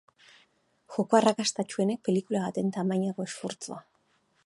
Joko arrakastatsuenek pelikula baten tamainako esfortzua.